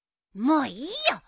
もういいよ！